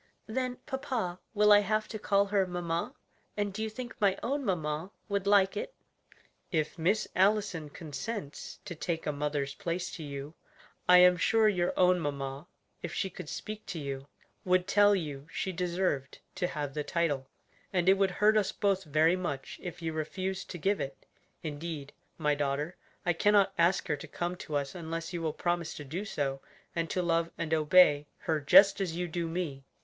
"Then, papa, will I have to call her mamma? and do you think my own mamma would like it?" "If Miss Allison consents to take a mother's place to you, I am sure your own mamma, if she could speak to you, would tell you she deserved to have the title; and it would hurt us both very much if you refused to give it. Indeed, my daughter, I cannot ask her to come to us unless you will promise to do so, and to love and obey, her just as you do me.